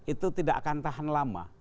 itu tidak akan tahan lama